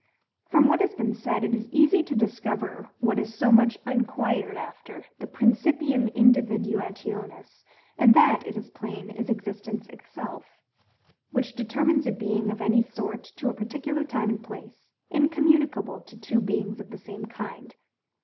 From what has been said, it is easy to discover what is so much inquired after, the PRINCIPIUM INDIVIDUATIONIS; and that, it is plain, is existence itself; which determines a being of any sort to a particular time and place, incommunicable to two beings of the same kind.